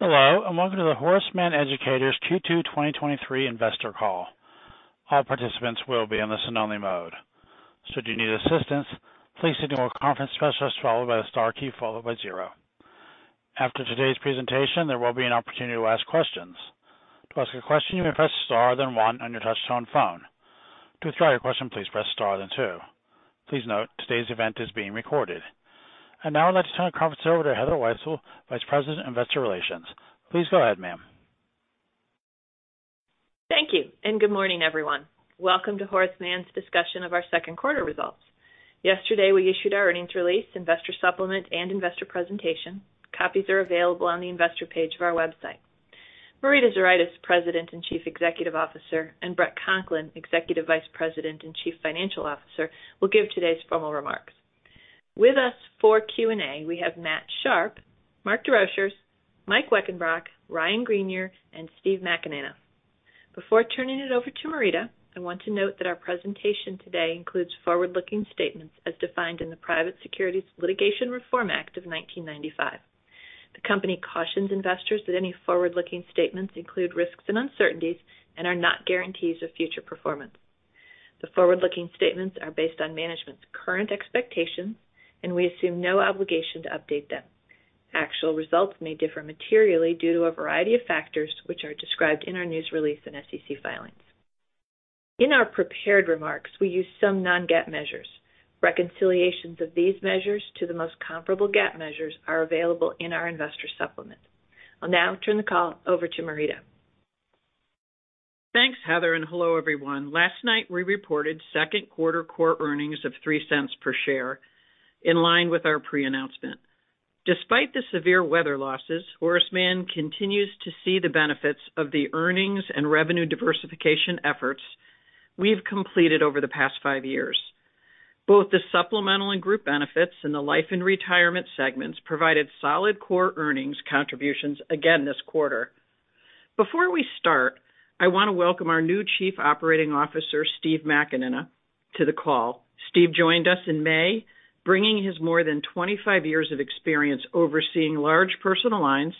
Hello, and welcome to the Horace Mann Educators Q2 2023 Investor Call. All participants will be in the listen-only mode. Should you need assistance, please signal a conference specialist, followed by the star key, followed by zero. After today's presentation, there will be an opportunity to ask questions. To ask a question, you may press star, then one on your touchtone phone. To withdraw your question, please press star, then two. Please note, today's event is being recorded. Now I'd like to turn the conference over to Heather Wietzel, Vice President, Investor Relations. Please go ahead, ma'am. Thank you, and good morning, everyone. Welcome to Horace Mann's discussion of our Q2 results. Yesterday, we issued our earnings release, investor supplement, and investor presentation. Copies are available on the investor page of our website. Marita Zuraitis, President and Chief Executive Officer, and Bret Conklin, Executive Vice President and Chief Financial Officer, will give today's formal remarks. With us for Q&A, we have Matt Sharp, Mark Desrochers, Mike Weckenbrock, Ryan Greiner, and Steve McInerney. Before turning it over to Marita, I want to note that our presentation today includes forward-looking statements as defined in the Private Securities Litigation Reform Act of 1995. The company cautions investors that any forward-looking statements include risks and uncertainties and are not guarantees of future performance. The forward-looking statements are based on management's current expectations, and we assume no obligation to update them. Actual results may differ materially due to a variety of factors, which are described in our news release and SEC filings. In our prepared remarks, we use some non-GAAP measures. Reconciliations of these measures to the most comparable GAAP measures are available in our investor supplement. I'll now turn the call over to Marita. Thanks, Heather. Hello, everyone. Last night, we reported Q2 core earnings of $0.03 per share, in line with our pre-announcement. Despite the severe weather losses, Horace Mann continues to see the benefits of the earnings and revenue diversification efforts we've completed over the past five years. Both the supplemental and group benefits in the life and retirement segments provided solid core earnings contributions again this quarter. Before we start, I want to welcome our new Chief Operating Officer, Steve McInerney, to the call. Steve joined us in May, bringing his more than 25 years of experience overseeing large personal lines,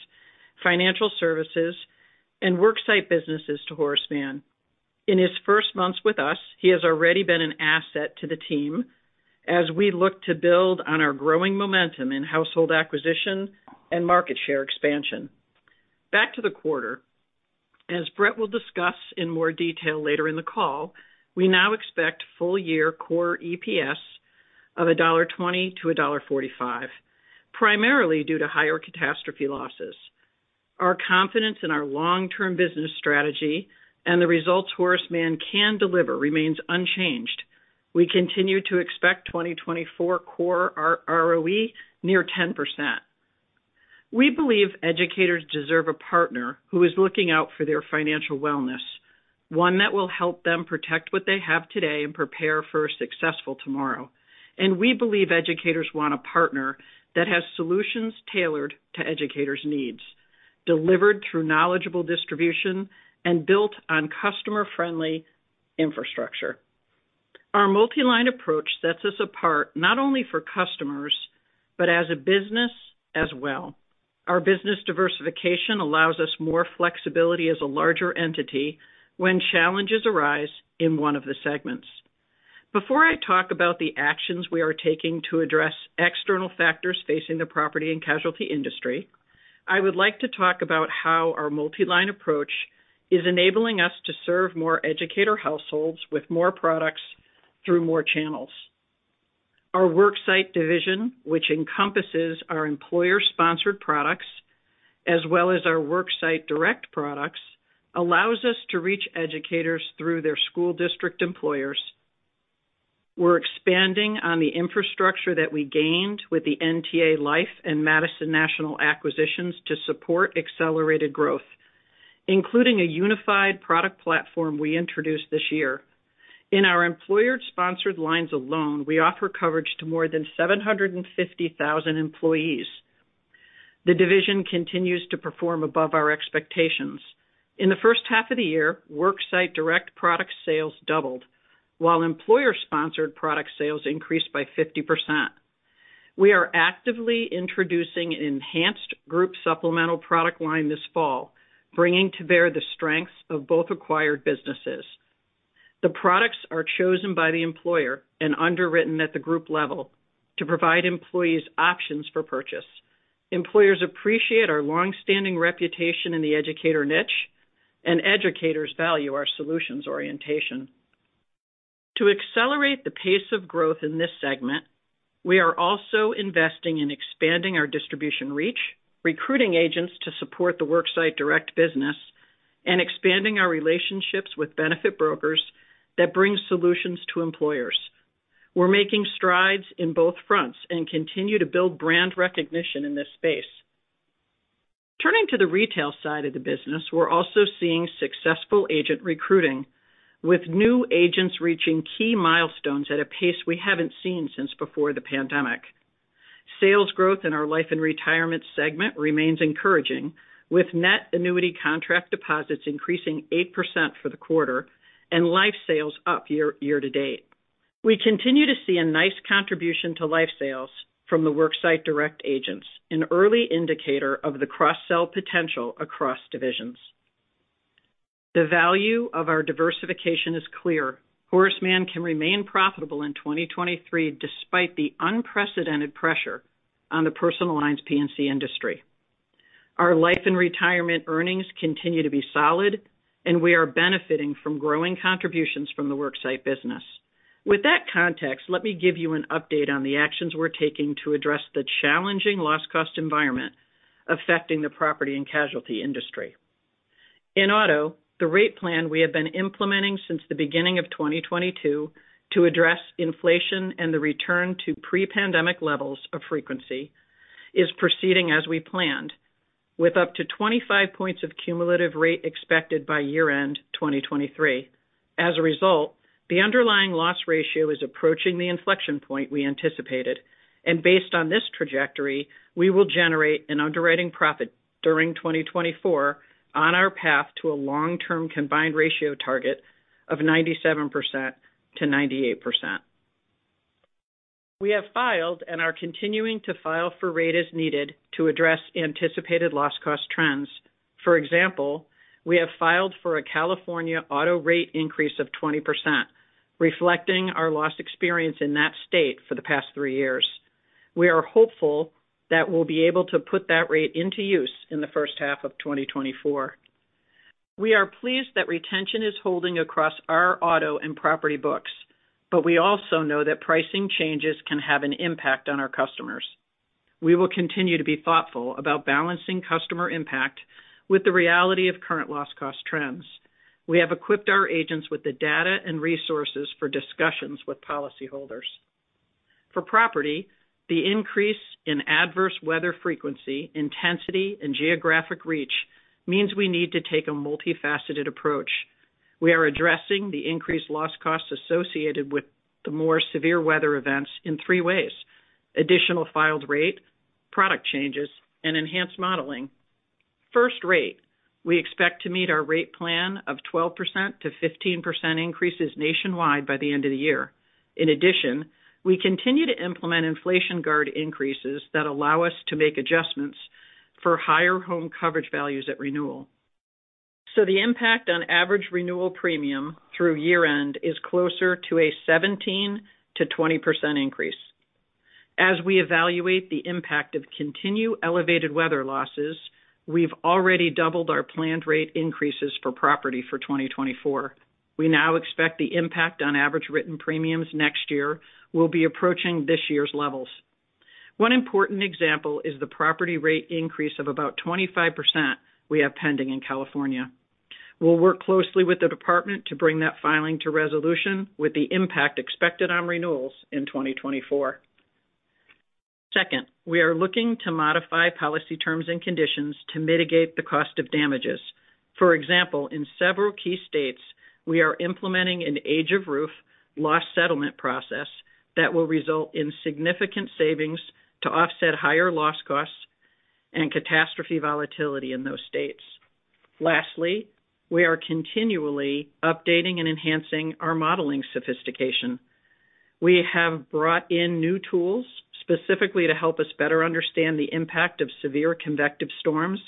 financial services, and worksite businesses to Horace Mann. In his first months with us, he has already been an asset to the team as we look to build on our growing momentum in household acquisition and market share expansion. Back to the quarter. As Bret will discuss in more detail later in the call, we now expect full year core EPS of $1.20-$1.45, primarily due to higher catastrophe losses. Our confidence in our long-term business strategy and the results Horace Mann can deliver remains unchanged. We continue to expect 2024 core ROE near 10%. We believe educators deserve a partner who is looking out for their financial wellness, one that will help them protect what they have today and prepare for a successful tomorrow. We believe educators want a partner that has solutions tailored to educators' needs, delivered through knowledgeable distribution and built on customer-friendly infrastructure. Our multi-line approach sets us apart not only for customers, but as a business as well. Our business diversification allows us more flexibility as a larger entity when challenges arise in one of the segments. Before I talk about the actions we are taking to address external factors facing the property and casualty industry, I would like to talk about how our multi-line approach is enabling us to serve more educator households with more products through more channels. Our worksite division, which encompasses our employer-sponsored products as well as our worksite direct products, allows us to reach educators through their school district employers. We're expanding on the infrastructure that we gained with the NTA Life and Madison National acquisitions to support accelerated growth, including a unified product platform we introduced this year. In our employer-sponsored lines alone, we offer coverage to more than 750,000 employees. The division continues to perform above our expectations. In the H1 of the year, worksite direct product sales doubled, while employer-sponsored product sales increased by 50%. We are actively introducing an enhanced group supplemental product line this fall, bringing to bear the strengths of both acquired businesses. The products are chosen by the employer and underwritten at the group level to provide employees options for purchase. Employers appreciate our long-standing reputation in the educator niche, and educators value our solutions orientation. To accelerate the pace of growth in this segment, we are also investing in expanding our distribution reach, recruiting agents to support the worksite direct business, and expanding our relationships with benefit brokers that bring solutions to employers. We're making strides in both fronts and continue to build brand recognition in this space. Turning to the retail side of the business, we're also seeing successful agent recruiting, with new agents reaching key milestones at a pace we haven't seen since before the pandemic. Sales growth in our life and retirement segment remains encouraging, with net annuity contract deposits increasing 8% for the quarter and life sales up year to date. We continue to see a nice contribution to life sales from the worksite direct agents, an early indicator of the cross-sell potential across divisions. The value of our diversification is clear. Horace Mann can remain profitable in 2023, despite the unprecedented pressure on the personal lines P&C industry. Our life and retirement earnings continue to be solid, and we are benefiting from growing contributions from the worksite business. With that context, let me give you an update on the actions we're taking to address the challenging loss cost environment affecting the property and casualty industry. In auto, the rate plan we have been implementing since the beginning of 2022 to address inflation and the return to pre-pandemic levels of frequency, is proceeding as we planned, with up to 25 points of cumulative rate expected by year-end 2023. As a result, the underlying loss ratio is approaching the inflection point we anticipated, and based on this trajectory, we will generate an underwriting profit during 2024 on our path to a long-term combined ratio target of 97%-98%. We have filed and are continuing to file for rate as needed to address anticipated loss cost trends. For example, we have filed for a California auto rate increase of 20%, reflecting our loss experience in that state for the past 3 years. We are hopeful that we'll be able to put that rate into use in the H1 of 2024. We are pleased that retention is holding across our auto and property books. We also know that pricing changes can have an impact on our customers. We will continue to be thoughtful about balancing customer impact with the reality of current loss cost trends. We have equipped our agents with the data and resources for discussions with policyholders. For property, the increase in adverse weather frequency, intensity, and geographic reach means we need to take a multifaceted approach. We are addressing the increased loss costs associated with the more severe weather events in three ways: additional filed rate, product changes, and enhanced modeling. First, rate. We expect to meet our rate plan of 12%-15% increases nationwide by the end of the year. In addition, we continue to implement inflation guard increases that allow us to make adjustments for higher home coverage values at renewal. The impact on average renewal premium through year-end is closer to a 17%-20% increase. As we evaluate the impact of continued elevated weather losses, we've already doubled our planned rate increases for property for 2024. We now expect the impact on average written premiums next year will be approaching this year's levels. One important example is the property rate increase of about 25% we have pending in California. We'll work closely with the department to bring that filing to resolution, with the impact expected on renewals in 2024. Second, we are looking to modify policy terms and conditions to mitigate the cost of damages. For example, in several key states, we are implementing an age of roof loss settlement process that will result in significant savings to offset higher loss costs and catastrophe volatility in those states. Lastly, we are continually updating and enhancing our modeling sophistication. We have brought in new tools specifically to help us better understand the impact of severe convective storms,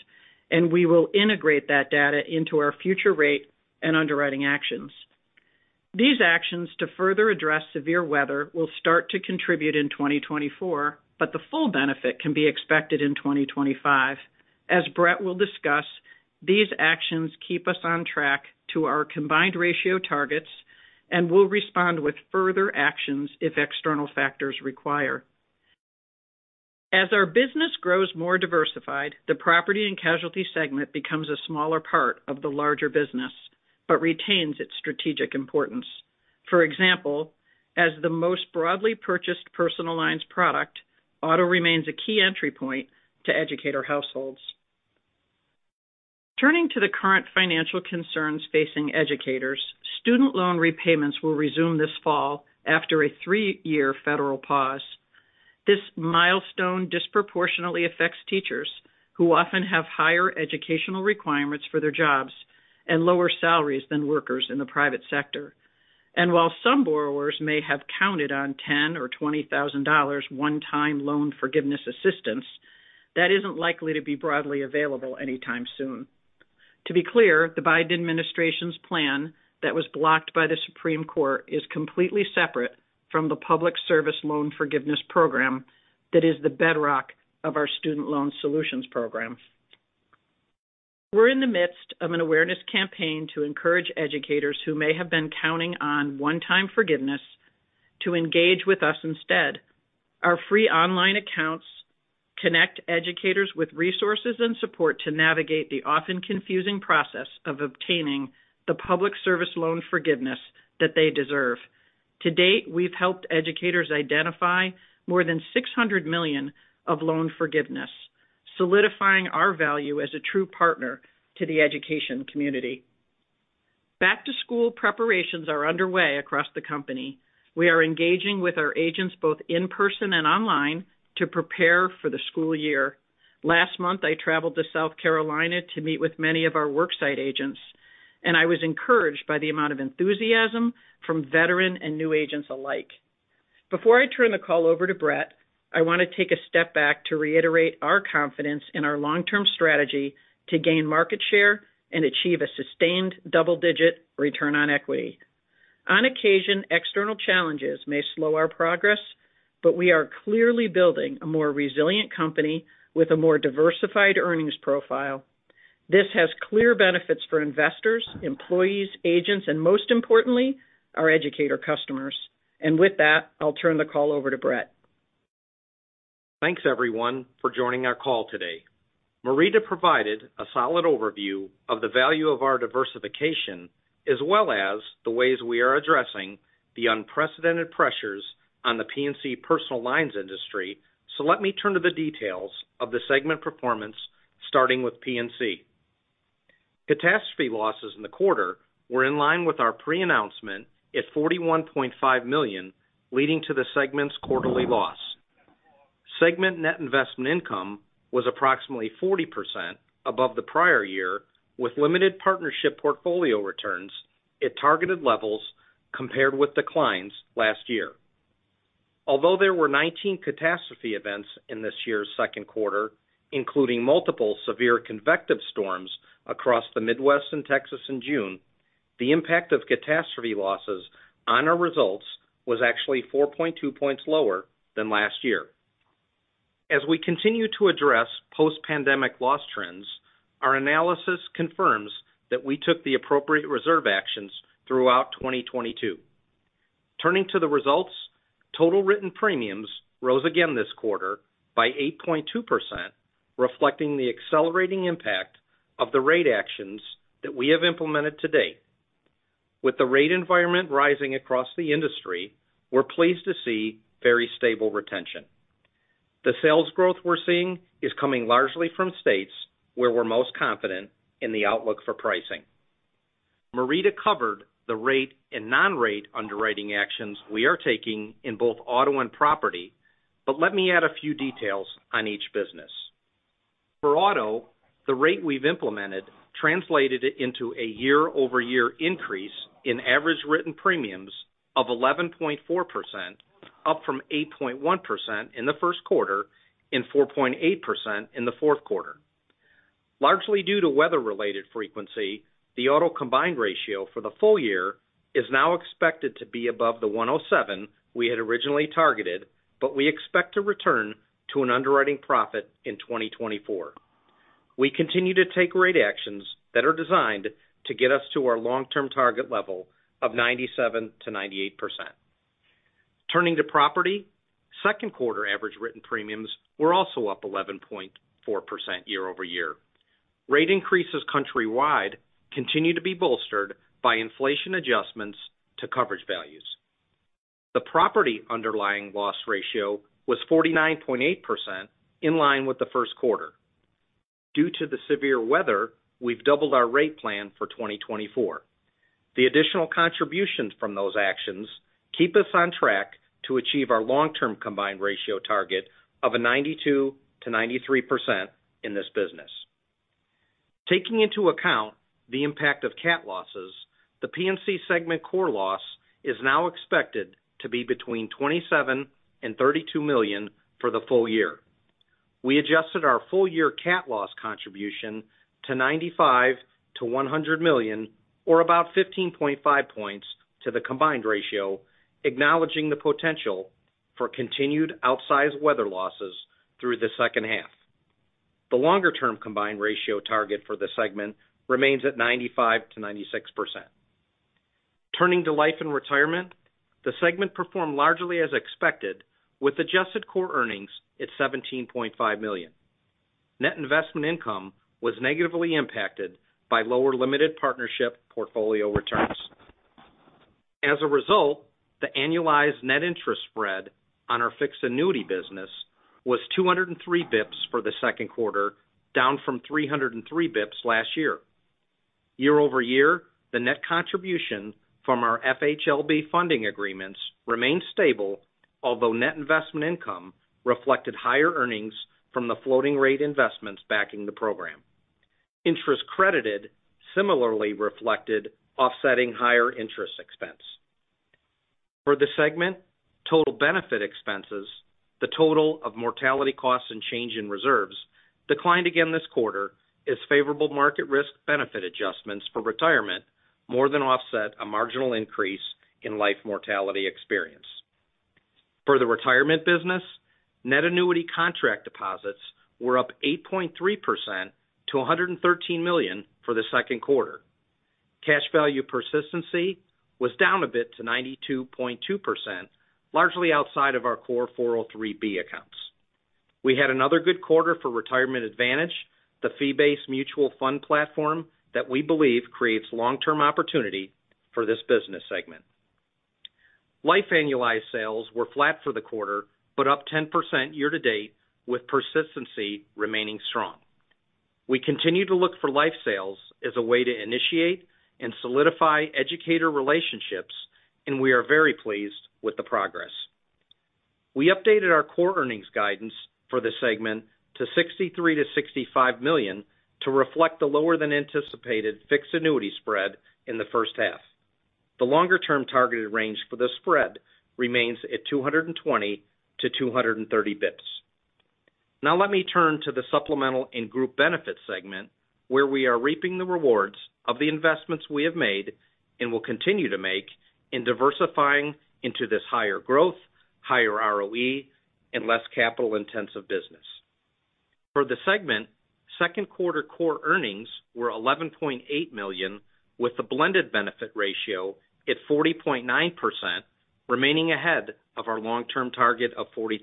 and we will integrate that data into our future rate and underwriting actions. These actions to further address severe weather will start to contribute in 2024, but the full benefit can be expected in 2025. As Bret will discuss, these actions keep us on track to our combined ratio targets and will respond with further actions if external factors require. As our business grows more diversified, the property and casualty segment becomes a smaller part of the larger business, but retains its strategic importance. For example, as the most broadly purchased personal lines product, auto remains a key entry point to educator households. Turning to the current financial concerns facing educators, student loan repayments will resume this fall after a three-year federal pause. This milestone disproportionately affects teachers, who often have higher educational requirements for their jobs and lower salaries than workers in the private sector. While some borrowers may have counted on $10,000 or $20,000 one-time loan forgiveness assistance, that isn't likely to be broadly available anytime soon. To be clear, the Biden administration's plan that was blocked by the Supreme Court is completely separate from the Public Service Loan Forgiveness program that is the bedrock of our student loan solutions program. We're in the midst of an awareness campaign to encourage educators who may have been counting on one-time forgiveness to engage with us instead. Our free online accounts connect educators with resources and support to navigate the often confusing process of obtaining the Public Service Loan Forgiveness that they deserve. To date, we've helped educators identify more than $600 million of loan forgiveness, solidifying our value as a true partner to the education community. Back to school preparations are underway across the company. We are engaging with our agents, both in person and online, to prepare for the school year. Last month, I traveled to South Carolina to meet with many of our worksite agents, and I was encouraged by the amount of enthusiasm from veteran and new agents alike. Before I turn the call over to Bret, I want to take a step back to reiterate our confidence in our long-term strategy to gain market share and achieve a sustained double-digit return on equity. On occasion, external challenges may slow our progress. We are clearly building a more resilient company with a more diversified earnings profile. This has clear benefits for investors, employees, agents, and most importantly, our educator customers. With that, I'll turn the call over to Bret. Thanks, everyone, for joining our call today. Marita provided a solid overview of the value of our diversification, as well as the ways we are addressing the unprecedented pressures on the P&C personal lines industry. Let me turn to the details of the segment performance, starting with P&C. Catastrophe losses in the quarter were in line with our pre-announcement at $41.5 million, leading to the segment's quarterly loss. Segment net investment income was approximately 40% above the prior year, with limited partnership portfolio returns at targeted levels compared with declines last year. Although there were 19 catastrophe events in this year's Q2, including multiple severe convective storms across the Midwest and Texas in June, the impact of catastrophe losses on our results was actually 4.2 points lower than last year. As we continue to address post-pandemic loss trends, our analysis confirms that we took the appropriate reserve actions throughout 2022. Turning to the results, total written premiums rose again this quarter by 8.2%, reflecting the accelerating impact of the rate actions that we have implemented to date. With the rate environment rising across the industry, we're pleased to see very stable retention. The sales growth we're seeing is coming largely from states where we're most confident in the outlook for pricing. Marita covered the rate and non-rate underwriting actions we are taking in both auto and property. Let me add a few details on each business. For auto, the rate we've implemented translated into a year-over-year increase in average written premiums of 11.4%, up from 8.1% in the Q1 and 4.8% in the Q4. Largely due to weather-related frequency, the auto combined ratio for the full year is now expected to be above the 107 we had originally targeted, but we expect to return to an underwriting profit in 2024. We continue to take rate actions that are designed to get us to our long-term target level of 97%-98%. Turning to property, Q2 average written premiums were also up 11.4% year-over-year. Rate increases countrywide continue to be bolstered by inflation adjustments to coverage values. The property underlying loss ratio was 49.8%, in line with the Q1. Due to the severe weather, we've doubled our rate plan for 2024. The additional contributions from those actions keep us on track to achieve our long-term combined ratio target of a 92%-93% in this business. Taking into account the impact of cat losses, the P&C segment core loss is now expected to be between $27 million and $32 million for the full year. We adjusted our full-year cat loss contribution to $95 million-$100 million, or about 15.5 points to the combined ratio, acknowledging the potential for continued outsized weather losses through the H2. The longer-term combined ratio target for the segment remains at 95%-96%. Turning to Life and Retirement, the segment performed largely as expected, with adjusted core earnings at $17.5 million. Net investment income was negatively impacted by lower limited partnership portfolio returns. The annualized net interest spread on our fixed annuity business was 203 bps for the Q2, down from 303 bps last year. Year-over-year, the net contribution from our FHLB funding agreements remained stable, although net investment income reflected higher earnings from the floating rate investments backing the program. Interest credited similarly reflected offsetting higher interest expense. For the segment, total benefit expenses, the total of mortality costs and change in reserves, declined again this quarter as favorable market risk benefit adjustments for retirement more than offset a marginal increase in life mortality experience. For the retirement business, net annuity contract deposits were up 8.3% to $113 million for the Q2. Cash value persistency was down a bit to 92.2%, largely outside of our core 403(b) accounts. We had another good quarter for Retirement Advantage, the fee-based mutual fund platform that we believe creates long-term opportunity for this business segment. Life annualized sales were flat for the quarter, up 10% year to date, with persistency remaining strong. We continue to look for life sales as a way to initiate and solidify educator relationships, and we are very pleased with the progress. We updated our core earnings guidance for this segment to $63 million-$65 million, to reflect the lower than anticipated fixed annuity spread in the H1. The longer-term targeted range for the spread remains at 220-230 bps. Now let me turn to the supplemental and group benefits segment, where we are reaping the rewards of the investments we have made and will continue to make in diversifying into this higher growth, higher ROE, and less capital-intensive business. For the segment, Q2 core earnings were $11.8 million, with the blended benefit ratio at 40.9%, remaining ahead of our long-term target of 43%.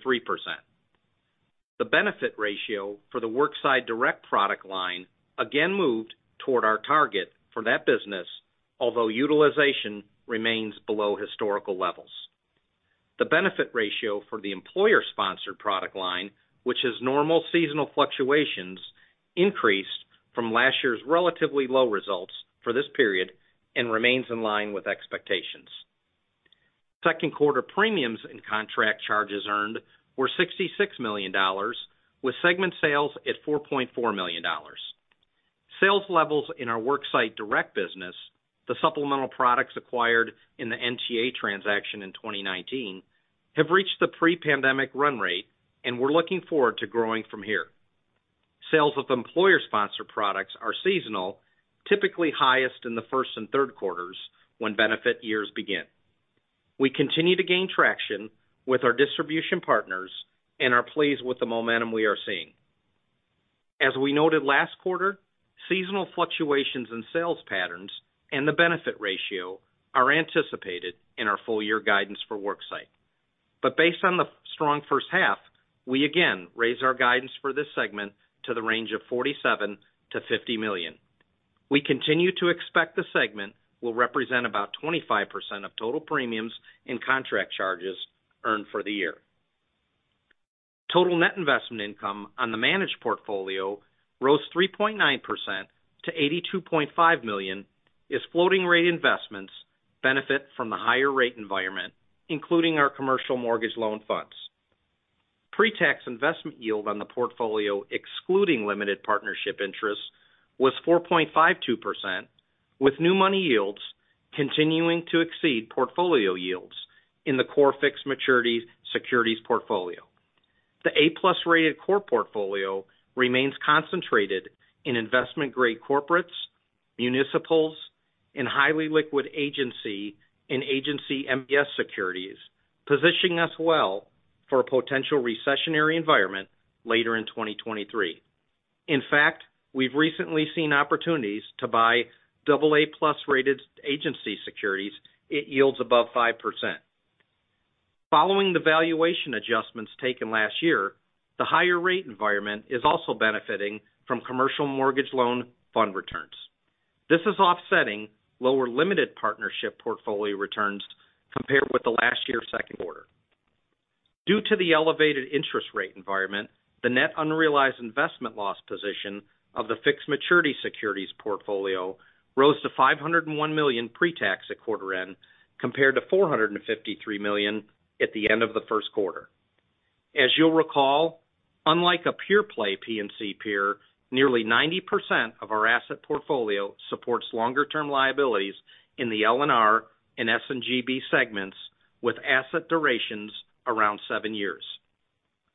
The benefit ratio for the worksite direct product line again moved toward our target for that business, although utilization remains below historical levels. The benefit ratio for the employer-sponsored product line, which has normal seasonal fluctuations, increased from last year's relatively low results for this period and remains in line with expectations. Q2 premiums and contract charges earned were $66 million, with segment sales at $4.4 million. Sales levels in our worksite direct business, the supplemental products acquired in the NTA transaction in 2019, have reached the pre-pandemic run rate. We're looking forward to growing from here. Sales of employer-sponsored products are seasonal, typically highest in the first and Q3s when benefit years begin. We continue to gain traction with our distribution partners and are pleased with the momentum we are seeing. As we noted last quarter, seasonal fluctuations in sales patterns and the benefit ratio are anticipated in our full year guidance for Worksite. Based on the strong H1, we again raised our guidance for this segment to the range of $47 million-$50 million. We continue to expect the segment will represent about 25% of total premiums and contract charges earned for the year. Total net investment income on the managed portfolio rose 3.9% to $82.5 million, as floating rate investments benefit from the higher rate environment, including our commercial mortgage loan funds. Pre-tax investment yield on the portfolio, excluding limited partnership interests, was 4.52%, with new money yields continuing to exceed portfolio yields in the core fixed maturity securities portfolio. The A-plus rated core portfolio remains concentrated in investment-grade corporates, municipals, and highly liquid agency and agency MBS securities, positioning us well for a potential recessionary environment later in 2023. In fact, we've recently seen opportunities to buy double A-plus-rated agency securities at yields above 5%. Following the valuation adjustments taken last year, the higher rate environment is also benefiting from commercial mortgage loan fund returns. This is offsetting lower limited partnership portfolio returns compared with the last year's Q2. Due to the elevated interest rate environment, the net unrealized investment loss position of the fixed maturity securities portfolio rose to $501 million pre-tax at quarter end, compared to $453 million at the end of the Q1. As you'll recall, unlike a peer play P&C peer, nearly 90% of our asset portfolio supports longer-term liabilities in the L&R and S&GB segments, with asset durations around 7 years.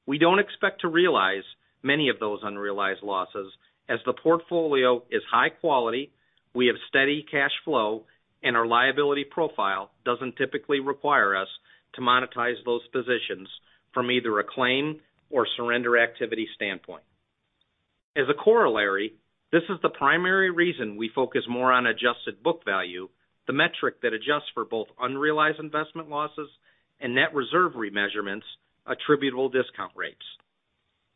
We don't expect to realize many of those unrealized losses, as the portfolio is high quality, we have steady cash flow, and our liability profile doesn't typically require us to monetize those positions from either a claim or surrender activity standpoint. As a corollary, this is the primary reason we focus more on adjusted book value, the metric that adjusts for both unrealized investment losses and net reserve remeasurements, attributable discount rates.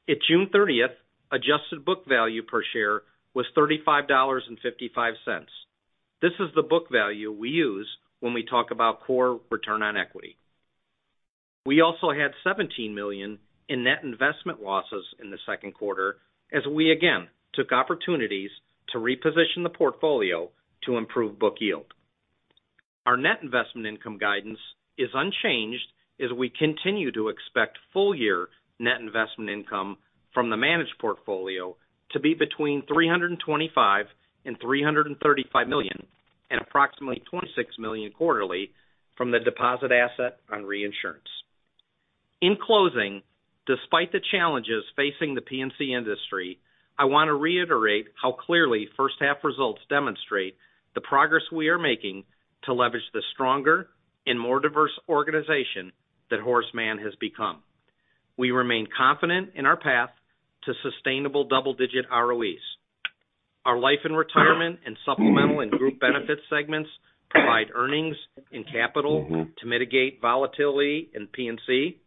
At June 30th, adjusted book value per share was $35.55. This is the book value we use when we talk about core return on equity. We also had $17 million in net investment losses in the Q2, as we again took opportunities to reposition the portfolio to improve book yield. Our net investment income guidance is unchanged, as we continue to expect full-year net investment income from the managed portfolio to be between $325 million and $335 million, and approximately $26 million quarterly from the deposit asset on reinsurance. In closing, despite the challenges facing the P&C industry, I want to reiterate how clearly H1 results demonstrate the progress we are making to leverage the stronger and more diverse organization that Horace Mann has become. We remain confident in our path to sustainable double-digit ROEs. Our Life & Retirement and Supplemental and Group Benefit segments provide earnings and capital to mitigate volatility in P&C.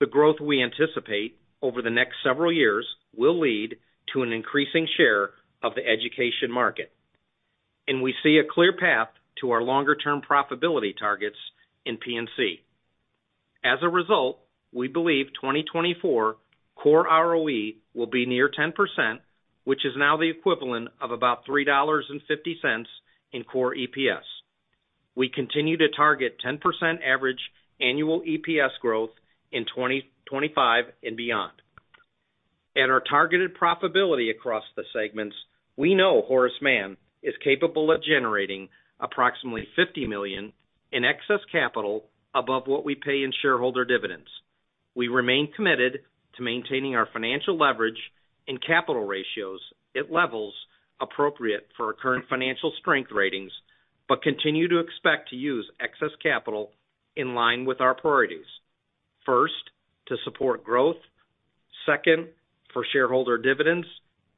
The growth we anticipate over the next several years will lead to an increasing share of the education market. We see a clear path to our longer-term profitability targets in P&C. As a result, we believe 2024 core ROE will be near 10%, which is now the equivalent of about $3.50 in core EPS. We continue to target 10% average annual EPS growth in 2025 and beyond. Our targeted profitability across the segments, we know Horace Mann is capable of generating approximately $50 million in excess capital above what we pay in shareholder dividends. We remain committed to maintaining our financial leverage and capital ratios at levels appropriate for our current financial strength ratings, but continue to expect to use excess capital in line with our priorities. First, to support growth; second, for shareholder dividends,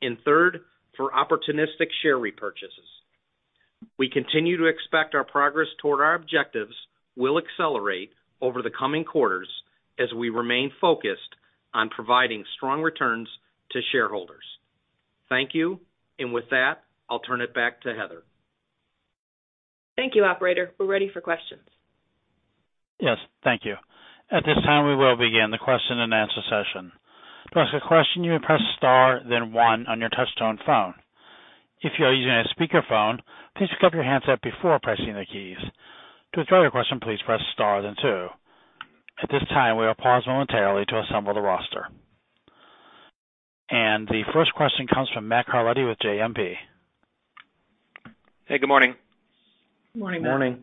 and third, for opportunistic share repurchases. We continue to expect our progress toward our objectives will accelerate over the coming quarters as we remain focused on providing strong returns to shareholders. Thank you. With that, I'll turn it back to Heather. Thank you. Operator, we're ready for questions. Yes, thank you. At this time, we will begin the question-and-answer session. To ask a question, you may press star, then one on your touch-tone phone. If you are using a speakerphone, please pick up your handset before pressing the keys. To withdraw your question, please press star then two. At this time, we will pause momentarily to assemble the roster. The first question comes from Matt Carletti with JMP. Hey, good morning. Morning. Morning.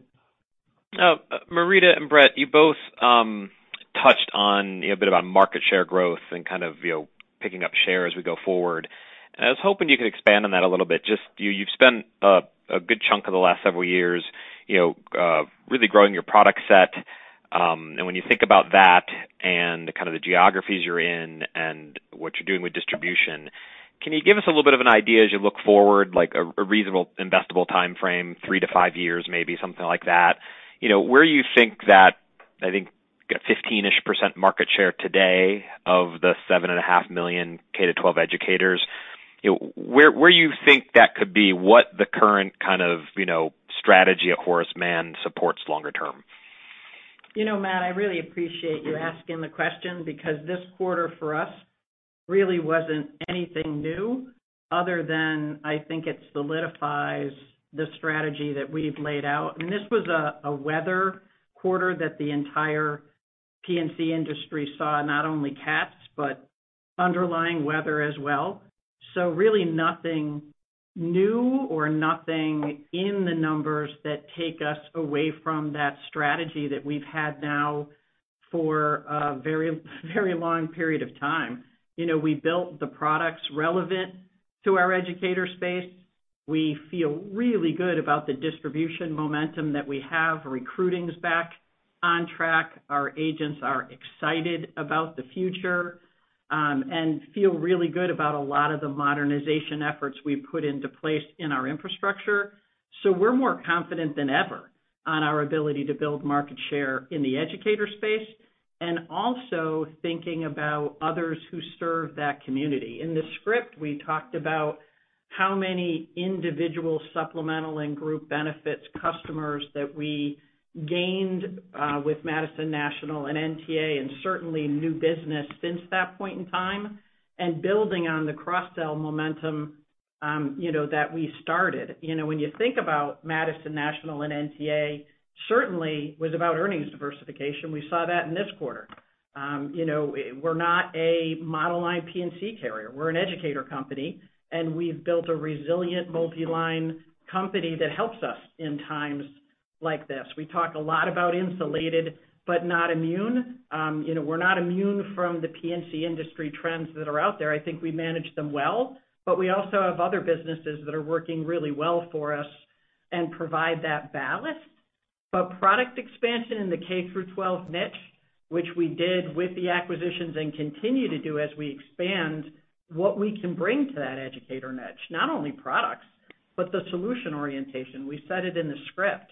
Marita and Bret, you both touched on a bit about market share growth and kind of, you know, picking up share as we go forward. I was hoping you could expand on that a little bit. Just, you, you've spent a good chunk of the last several years, you know, really growing your product set. When you think about that and the kind of the geographies you're in and what you're doing with distribution, can you give us a little bit of an idea as you look forward, like a reasonable investable time frame, 3-5 years, maybe something like that? You know, where you think that, I think, 15-ish% market share today of the 7.5 million K-12 educators, you know, where, where you think that could be, what the current kind of, you know, strategy of Horace Mann supports longer term? You know, Matt, I really appreciate you asking the question because this quarter for us really wasn't anything new other than I think it solidifies the strategy that we've laid out. This was a weather quarter that the entire P&C industry saw, not only cats, but underlying weather as well. Really nothing new or nothing in the numbers that take us away from that strategy that we've had now for a very, very long period of time. You know, we built the products relevant to our educator space. We feel really good about the distribution momentum that we have. Recruiting is back on track. Our agents are excited about the future, and feel really good about a lot of the modernization efforts we've put into place in our infrastructure. We're more confident than ever on our ability to build market share in the educator space and also thinking about others who serve that community. In the script, we talked about how many individual supplemental and group benefits customers that we gained with Madison National and NTA, and certainly new business since that point in time, and building on the cross-sell momentum, you know, that we started. You know, when you think about Madison National and NTA, certainly was about earnings diversification. We saw that in this quarter. You know, we're not a model line P&C carrier. We're an educator company, and we've built a resilient multiline company that helps us in times like this. We talk a lot about insulated, but not immune. You know, we're not immune from the P&C industry trends that are out there. I think we manage them well, we also have other businesses that are working really well for us and provide that ballast. Product expansion in the K-12 niche, which we did with the acquisitions and continue to do as we expand, what we can bring to that educator niche, not only products, but the solution orientation. We said it in the script,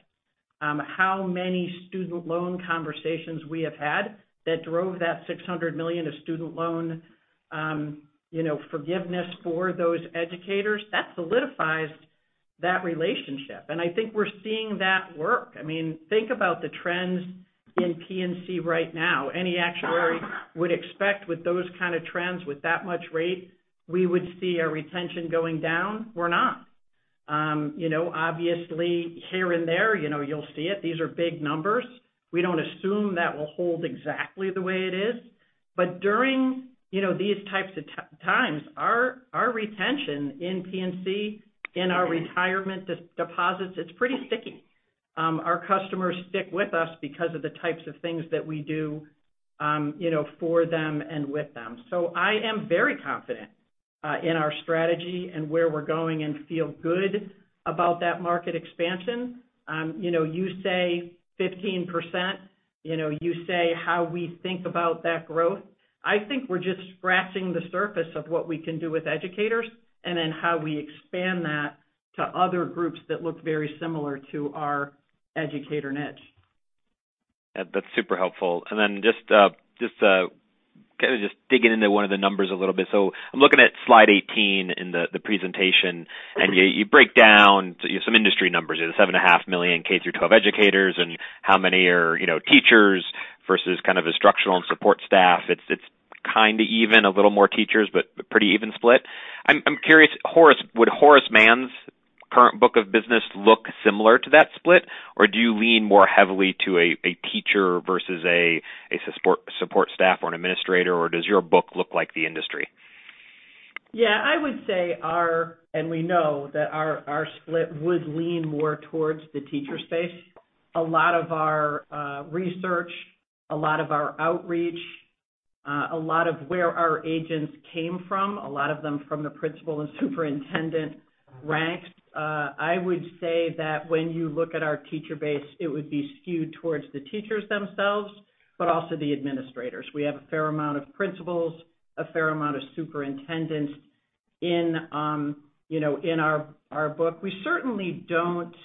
how many student loan conversations we have had that drove that $600 million of student loan, you know, forgiveness for those educators, that solidifies that relationship, and I think we're seeing that work. I mean, think about the trends in P&C right now. Any actuary would expect with those kind of trends, with that much rate, we would see our retention going down. We're not. You know, obviously, here and there, you know, you'll see it. These are big numbers. We don't assume that will hold exactly the way it is, during, you know, these types of times, our, our retention in P&C, in our retirement deposits, it's pretty sticky. Our customers stick with us because of the types of things that we do, you know, for them and with them. I am very confident in our strategy and where we're going and feel good about that market expansion. You know, you say 15%, you know, you say how we think about that growth. I think we're just scratching the surface of what we can do with educators, then how we expand that to other groups that look very similar to our educator niche. That's super helpful. Then kind of just digging into one of the numbers a little bit. I'm looking at slide 18 in the, the presentation, and you, you break down, you know, some industry numbers, you know, 7.5 million K-12 educators, and how many are, you know, teachers versus kind of instructional and support staff. It's kind of even, a little more teachers, but pretty even split. I'm curious, Horace, would Horace Mann's current book of business look similar to that split, or do you lean more heavily to a, a teacher versus a, a support, support staff or an administrator, or does your book look like the industry? Yeah, I would say our and we know that our split would lean more towards the teacher space. A lot of our research, a lot of our outreach, a lot of where our agents came from, a lot of them from the principal and superintendent ranks. I would say that when you look at our teacher base, it would be skewed towards the teachers themselves, but also the administrators. We have a fair amount of principals, a fair amount of superintendents in, you know, in our, our book. We certainly don't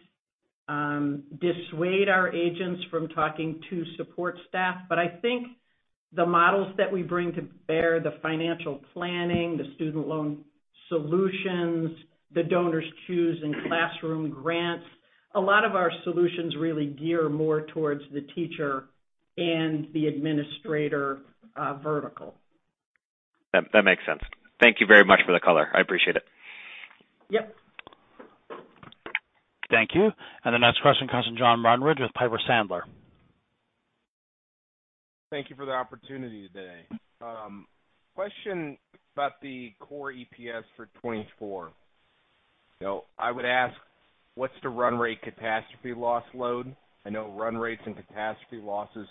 dissuade our agents from talking to support staff, but I think the models that we bring to bear, the financial planning, the student loan solutions, the DonorsChoose, and classroom grants, a lot of our solutions really gear more towards the teacher and the administrator vertical. That makes sense. Thank you very much for the color. I appreciate it. Yep. Thank you. The next question comes from John Barnidge with Piper Sandler. Thank you for the opportunity today. Question about the core EPS for 2024. I would ask, what's the run rate catastrophe loss load? I know run rates and catastrophe losses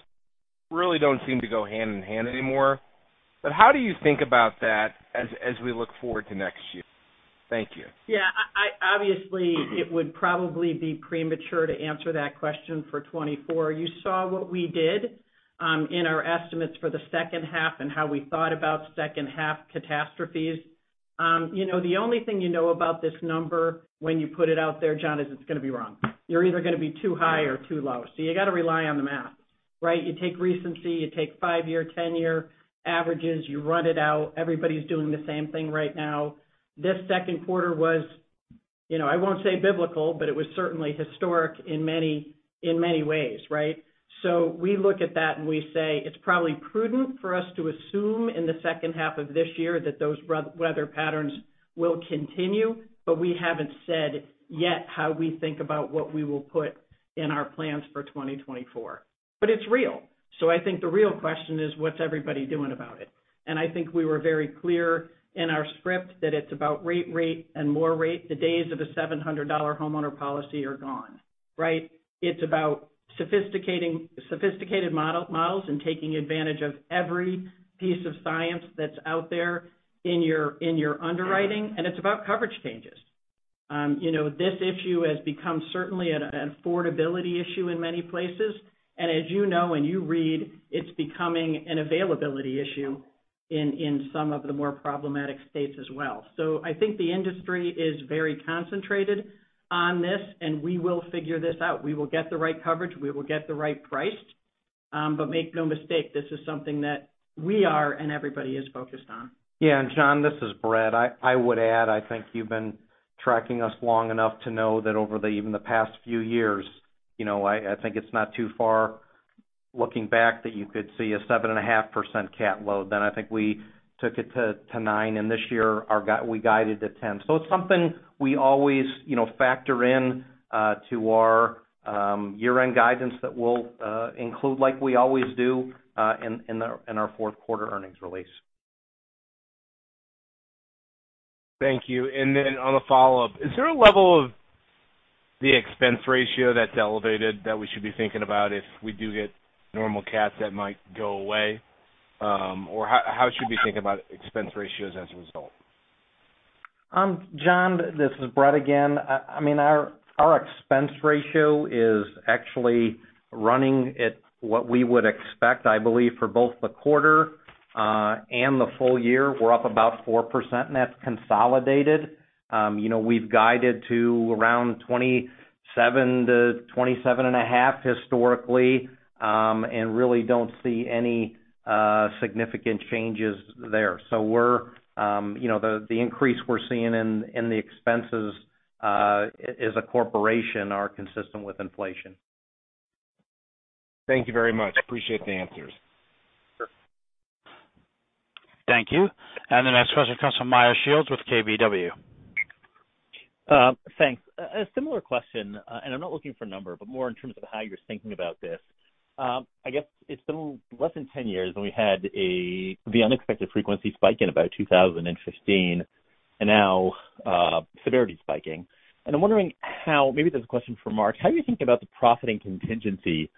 really don't seem to go hand in hand anymore, but how do you think about that as, as we look forward to next year? Thank you. Yeah, I obviously, it would probably be premature to answer that question for 2024. You saw what we did in our estimates for the H2 and how we thought about H2 catastrophes. You know, the only thing you know about this number when you put it out there, John, is it's gonna be wrong. You're either gonna be too high or too low. You gotta rely on the math, right? You take recency, you take five-year, 10-year averages, you run it out. Everybody's doing the same thing right now. This Q2 was, you know, I won't say biblical, but it was certainly historic in many, in many ways, right? We look at that and we say, it's probably prudent for us to assume in the H2 of this year that those weather patterns will continue, but we haven't said yet how we think about what we will put in our plans for 2024. It's real, so I think the real question is, what's everybody doing about it? I think we were very clear in our script that it's about rate, rate, and more rate. The days of a $700 homeowner policy are gone, right? It's about sophisticating, sophisticated models and taking advantage of every piece of science that's out there in your, in your underwriting, and it's about coverage changes. You know, this issue has become certainly an affordability issue in many places, and as you know and you read, it's becoming an availability issue in, in some of the more problematic states as well. I think the industry is very concentrated on this, and we will figure this out. We will get the right coverage, we will get the right price. Make no mistake, this is something that we are and everybody is focused on. Yeah, John, this is Bret. I, I would add, I think you've been tracking us long enough to know that over the even the past few years, you know, I, I think it's not too far looking back, that you could see a 7.5% cat load. I think we took it to 9, and this year, we guided to 10. It's something we always, you know, factor in to our year-end guidance that we'll include, like we always do, in our Q4 earnings release. Thank you. Then on a follow-up, is there a level of the expense ratio that's elevated that we should be thinking about if we do get normal cats that might go away? Or how, how should we think about expense ratios as a result? John, this is Bret again. I mean, our, our expense ratio is actually running at what we would expect, I believe, for both the quarter, and the full year. We're up about 4%, and that's consolidated. You know, we've guided to around 27%-27.5% historically, and really don't see any significant changes there. We're, you know, the, the increase we're seeing in, in the expenses, as a corporation are consistent with inflation. Thank you very much. Appreciate the answers. Thank you. The next question comes from Meyer Shields with KBW. Thanks. A similar question, and I'm not looking for a number, but more in terms of how you're thinking about this. I guess it's been less than 10 years, and we had a, the unexpected frequency spike in about 2015, and now, severity spiking. And I'm wondering how... maybe there's a question for Mark: How do you think about the profiting contingency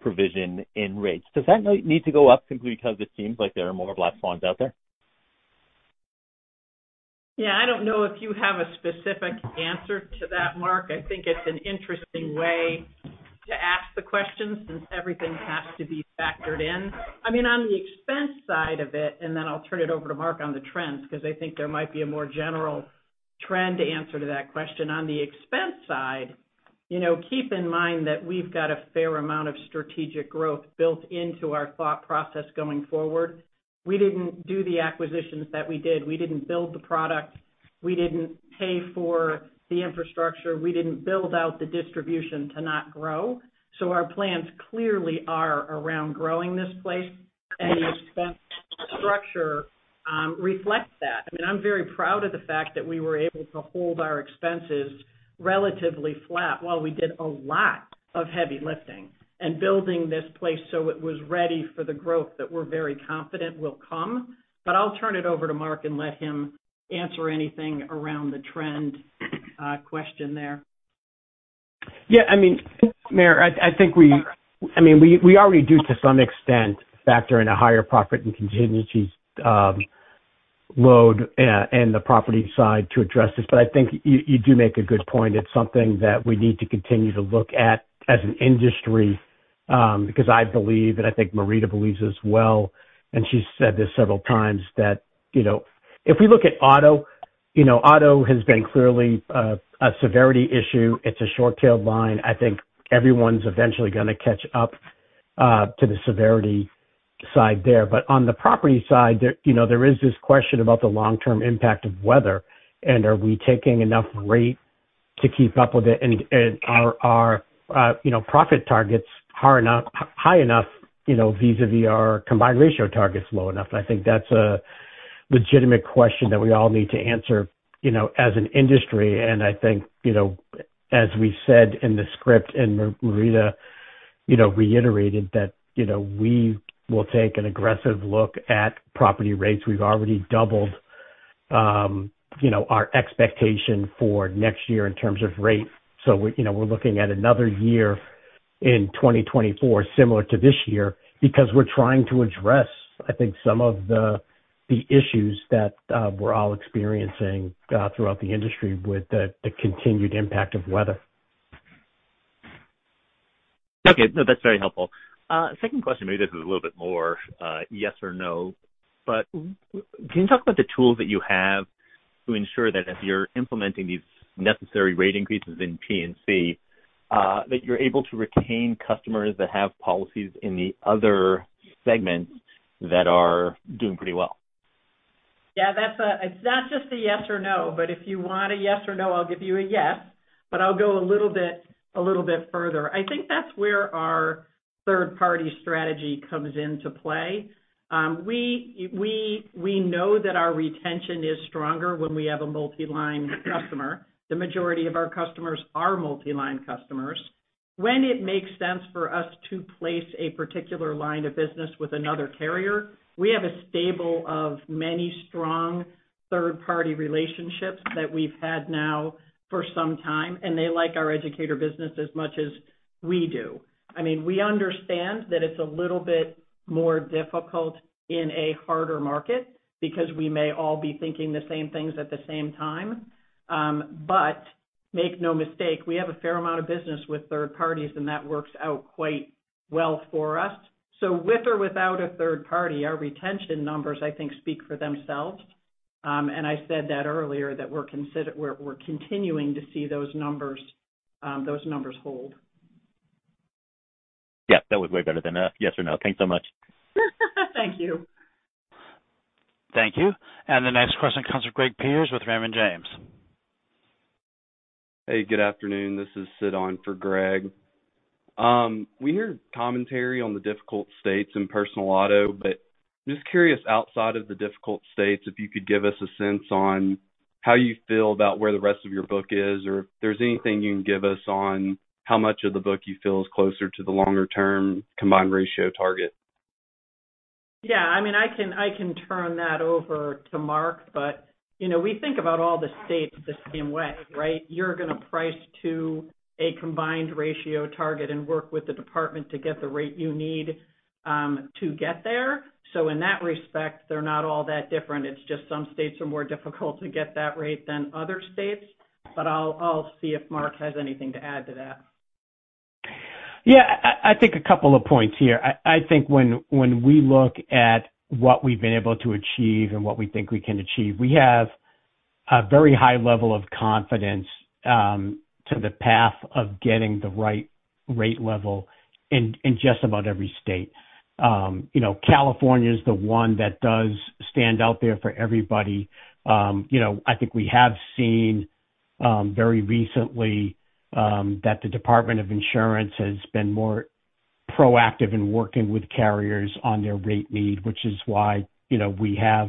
provision in rates? Does that need to go up simply because it seems like there are more black swans out there? Yeah, I don't know if you have a specific answer to that, Mark. I think it's an interesting way to ask the question, since everything has to be factored in. I mean, on the expense side of it, and then I'll turn it over to Mark on the trends, because I think there might be a more general trend answer to that question. You know, keep in mind that we've got a fair amount of strategic growth built into our thought process going forward. We didn't do the acquisitions that we did, we didn't build the product, we didn't pay for the infrastructure, we didn't build out the distribution to not grow. Our plans clearly are around growing this place, and the expense structure reflects that. I mean, I'm very proud of the fact that we were able to hold our expenses relatively flat while we did a lot of heavy lifting and building this place, so it was ready for the growth that we're very confident will come. I'll turn it over to Mark and let him answer anything around the trend, question there. Yeah, I mean, Meyer, I, I think we I mean, we, we already do, to some extent, factor in a higher profit and contingencies load in the property side to address this. I think you, you do make a good point. It's something that we need to continue to look at as an industry, because I believe, and I think Marita believes as well, and she's said this several times, that, you know, if we look at auto, you know, auto has been clearly a severity issue. It's a short-tailed line. I think everyone's eventually going to catch up to the severity side there. On the property side, there, you know, there is this question about the long-term impact of weather, and are we taking enough rate to keep up with it? Are our, you know, profit targets high enough, high enough, you know, vis-a-vis our combined ratio targets low enough? I think that's a legitimate question that we all need to answer, you know, as an industry. I think, you know, as we said in the script, and Marita, you know, reiterated, that, you know, we will take an aggressive look at property rates. We've already doubled, you know, our expectation for next year in terms of rate. We, you know, we're looking at another year in 2024 similar to this year, because we're trying to address, I think, some of the, the issues that we're all experiencing throughout the industry with the, the continued impact of weather. Okay. No, that's very helpful. Second question, maybe this is a little bit more, yes or no, but can you talk about the tools that you have to ensure that as you're implementing these necessary rate increases in P&C, that you're able to retain customers that have policies in the other segments that are doing pretty well? Yeah, that's a. It's not just a yes or no, but if you want a yes or no, I'll give you a yes. I'll go a little bit, a little bit further. I think that's where our third-party strategy comes into play. we know that our retention is stronger when we have a multi-line customer. The majority of our customers are multi-line customers. When it makes sense for us to place a particular line of business with another carrier, we have a stable of many strong third-party relationships that we've had now for some time, and they like our educator business as much as we do. I mean, we understand that it's a little bit more difficult in a harder market because we may all be thinking the same things at the same time. But make no mistake, we have a fair amount of business with third parties, and that works out quite well for us. with or without a third party, our retention numbers, I think, speak for themselves. I said that earlier, that we're continuing to see those numbers, those numbers hold. Yeah, that was way better than a yes or no. Thanks so much. Thank you. Thank you. The next question comes from Greg Peters with Raymond James. Hey, good afternoon. This is Sid on for Greg Peters. We hear commentary on the difficult states in personal auto, but just curious, outside of the difficult states, if you could give us a sense on how you feel about where the rest of your book is, or if there's anything you can give us on how much of the book you feel is closer to the longer-term combined ratio target? Yeah, I mean, I can, I can turn that over to Mark, but, you know, we think about all the states the same way, right? You're going to price to a combined ratio target and work with the department to get the rate you need, to get there. In that respect, they're not all that different. It's just some states are more difficult to get that rate than other states. I'll, I'll see if Mark has anything to add to that. Yeah, I think a couple of points here. I, I think when, when we look at what we've been able to achieve and what we think we can achieve, we have a very high level of confidence to the path of getting the right rate level in, in just about every state. You know, California is the one that does stand out there for everybody. You know, I think we have seen very recently that the Department of Insurance has been more proactive in working with carriers on their rate need, which is why, you know, we have,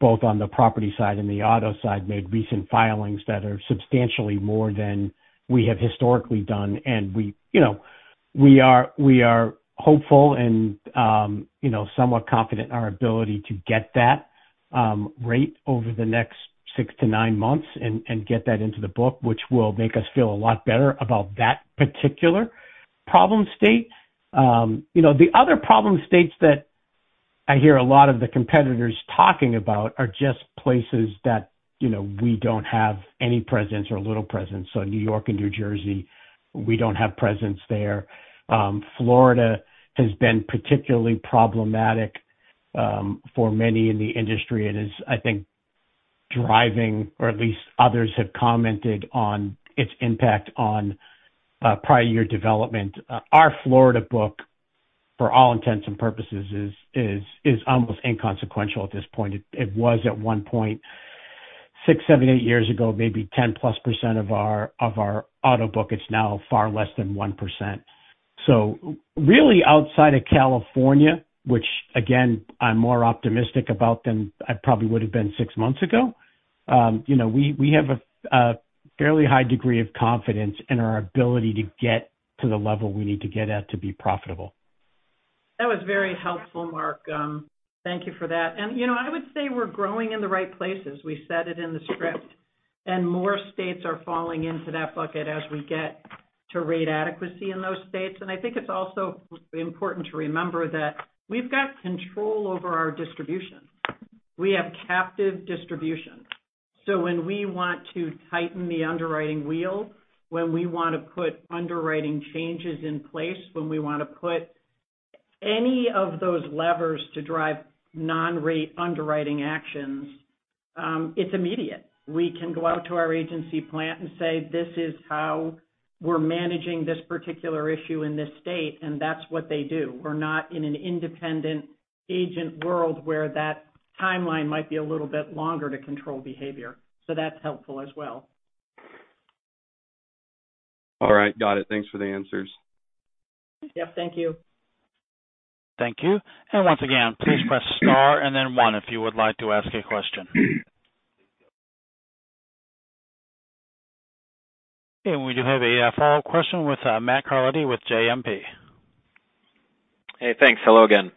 both on the property side and the auto side, made recent filings that are substantially more than we have historically done. We, you know, we are, we are hopeful and, you know, somewhat confident in our ability to get that rate over the next six to nine months and, and get that into the book, which will make us feel a lot better about that particular problem state. You know, the other problem states that I hear a lot of the competitors talking about are just places that, you know, we don't have any presence or little presence. New York and New Jersey, we don't have presence there. Florida has been particularly problematic for many in the industry and is, I think driving, or at least others have commented on its impact on prior year development. Our Florida book, for all intents and purposes, is, is, is almost inconsequential at this point. It was at 1 point, 6, 7, 8 years ago, maybe 10+% of our, of our auto book. It's now far less than 1%. Really, outside of California, which again, I'm more optimistic about than I probably would have been 6 months ago, you know, we, we have a, a fairly high degree of confidence in our ability to get to the level we need to get at to be profitable. That was very helpful, Mark. Thank you for that. You know, I would say we're growing in the right places. We said it in the script, more states are falling into that bucket as we get to rate adequacy in those states. I think it's also important to remember that we've got control over our distribution. We have captive distribution. When we want to tighten the underwriting wheel, when we want to put underwriting changes in place, when we want to put any of those levers to drive non-rate underwriting actions, it's immediate. We can go out to our agency plant and say, "This is how we're managing this particular issue in this state," and that's what they do. We're not in an independent agent world where that timeline might be a little bit longer to control behavior, so that's helpful as well. All right. Got it. Thanks for the answers. Yep, thank you. Thank you. Once again, please press star and then one, if you would like to ask a question. We do have a follow-up question with Matt Carletti with JMP. Hey, thanks. Hello again.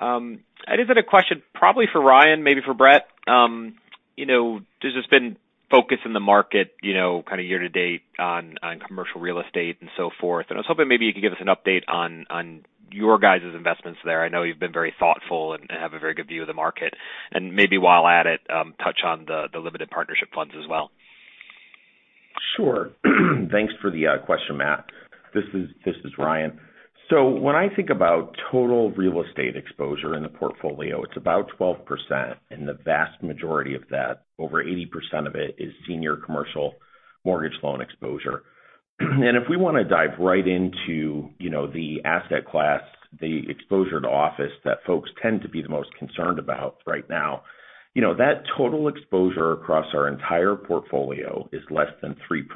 I just had a question probably for Ryan, maybe for Bret. You know, there's just been focus in the market, you know, kind of year to date on, on commercial real estate and so forth, and I was hoping maybe you could give us an update on, on your guys' investments there. I know you've been very thoughtful and, and have a very good view of the market. Maybe while at it, touch on the limited partnership funds as well. Sure. Thanks for the question, Matt. This is, this is Ryan. When I think about total real estate exposure in the portfolio, it's about 12%, and the vast majority of that, over 80% of it, is senior commercial mortgage loan exposure. If we wanna dive right into, you know, the asset class, the exposure to office that folks tend to be the most concerned about right now, you know, that total exposure across our entire portfolio is less than 3%,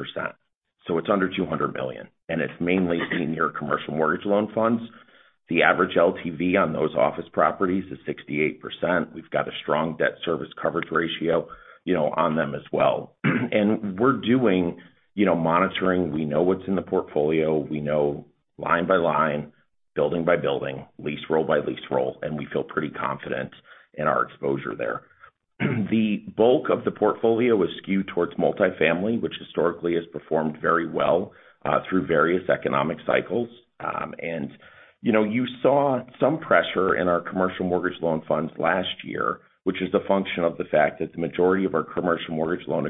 so it's under $200 million, and it's mainly senior commercial mortgage loan funds. The average LTV on those office properties is 68%. We've got a strong debt service coverage ratio, you know, on them as well. We're doing, you know, monitoring. We know what's in the portfolio. We know line by line, building by building, lease roll by lease roll, and we feel pretty confident in our exposure there. The bulk of the portfolio is skewed towards multifamily, which historically has performed very well, through various economic cycles. You know, you saw some pressure in our commercial mortgage loan funds last year, which is a function of the fact that the majority of our commercial mortgage loan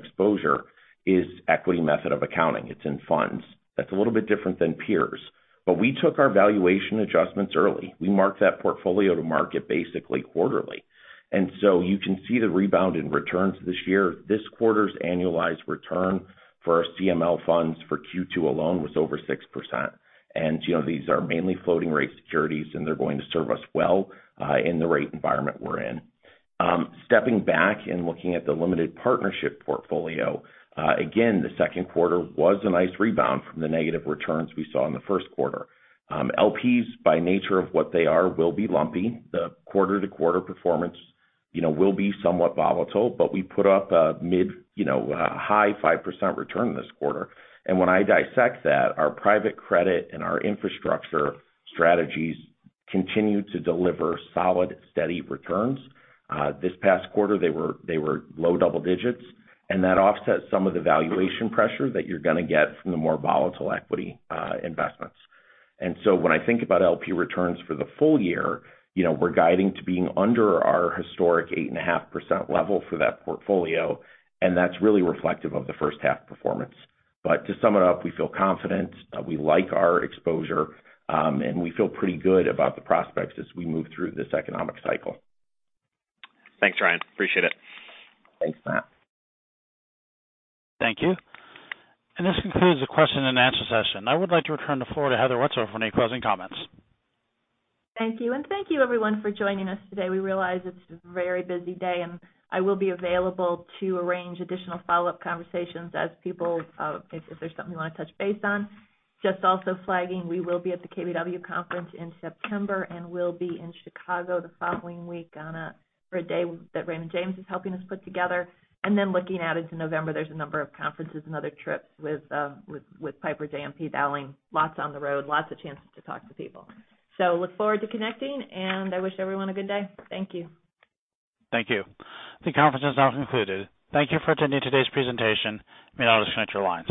exposure is equity method of accounting. It's in funds. That's a little bit different than peers. We took our valuation adjustments early. We marked that portfolio to market basically quarterly. So you can see the rebound in returns this year. This quarter's annualized return for our CML funds for Q2 alone was over 6%. You know, these are mainly floating rate securities, and they're going to serve us well, in the rate environment we're in. Stepping back and looking at the limited partnership portfolio, again, the Q2 was a nice rebound from the negative returns we saw in the Q1. LPs, by nature of what they are, will be lumpy. The quarter-to-quarter performance, you know, will be somewhat volatile, but we put up a mid, you know, high 5% return this quarter. When I dissect that, our private credit and our infrastructure strategies continue to deliver solid, steady returns. This past quarter, they were, they were low double digits, and that offsets some of the valuation pressure that you're gonna get from the more volatile equity investments. When I think about LP returns for the full year, you know, we're guiding to being under our historic 8.5% level for that portfolio, and that's really reflective of the H1 performance. To sum it up, we feel confident, we like our exposure, and we feel pretty good about the prospects as we move through this economic cycle. Thanks, Ryan. Appreciate it. Thanks, Matt. Thank you. This concludes the question and answer session. I would like to return the floor to Heather Wietzel for any closing comments. Thank you. Thank you everyone for joining us today. We realize it's a very busy day, and I will be available to arrange additional follow-up conversations as people, if there's something you want to touch base on. Just also flagging, we will be at the KBW conference in September, and we'll be in Chicago the following week for a day that Raymond James is helping us put together. Then looking out into November, there's a number of conferences and other trips with Piper JMP Dowling. Lots on the road, lots of chances to talk to people. Look forward to connecting, and I wish everyone a good day. Thank you. Thank you. The conference is now concluded. Thank you for attending today's presentation. You may all disconnect your lines.